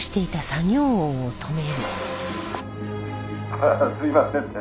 「ああすいませんね。